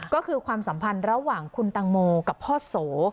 ก็คือความสัมพันธ์ระหว่างคุณตังโมกับพ่อโส